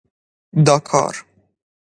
داکار